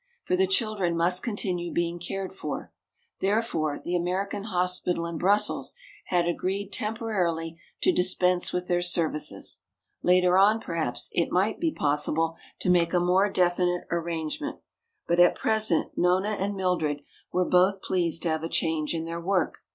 For the children must continue being cared for. Therefore, the American hospital in Brussels had agreed temporarily to dispense with their services. Later on perhaps it might be possible to make a more definite arrangement. But at present Nona and Mildred were both pleased to have a change in their work.